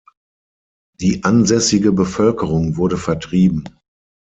Die ansässige Bevölkerung wurde vertrieben.